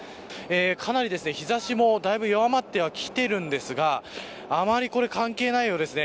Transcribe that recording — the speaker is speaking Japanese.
かなり日差しも、だいぶ弱まってきてはいますがあまり関係ないようですね。